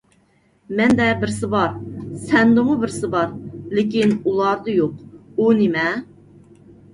مەندە بىرسى بار، سەندىمۇ بىرسى بار، لېكىن ئۇلاردا يوق. ئۇ نېمە؟